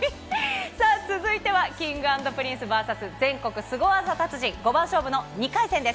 続いてはＫｉｎｇ＆ＰｒｉｎｃｅＶＳ全国スゴ技達人、５番勝負の２回戦です。